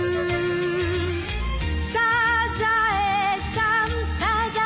「サザエさんサザエさん」